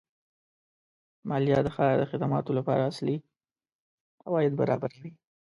مالیه د ښار د خدماتو لپاره اصلي عواید برابروي.